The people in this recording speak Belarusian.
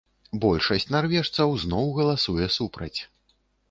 Большасць нарвежцаў зноў галасуе супраць.